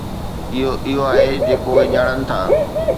اھو اھو آھي جيڪو اھي ڄاڻن ٿا.